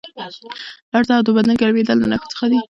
لړزه او د بدن ګرمېدل د نښو څخه دي.